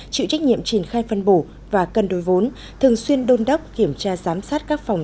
chịu trách nhiệm triển khai phân bổ và cân đối vốn thường xuyên đôn đốc kiểm tra giám sát các phòng